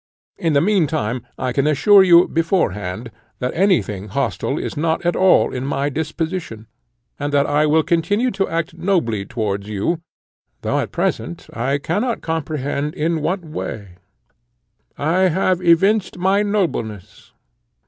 In the meantime I can assure you beforehand, that any thing hostile is not at all in my disposition, and that I will continue to act nobly towards you, though at present I cannot comprehend in what way I have evinced my nobleness.